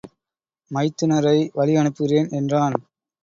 மைத்துனரை வழி அனுப்புகிறேன் என்றான்.